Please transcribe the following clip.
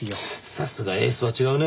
さすがエースは違うね。